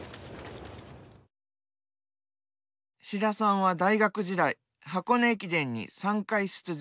志田さんは大学時代箱根駅伝に３回出場。